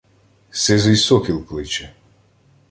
Сизий сокіл кличе